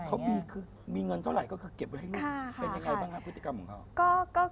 เป็นยังไงบ้างคะพฤติกรรมของเขา